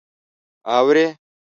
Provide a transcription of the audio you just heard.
_اورې؟